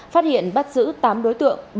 phát hiện bắt giữ tám đối tượng